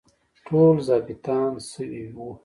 ټول ظابیطان شوي وو.